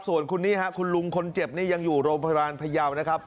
ส่วนคุณนี่ฮะคุณลุงคนเจ็บนี่ยังอยู่โรงพยาบาลพยาวนะครับ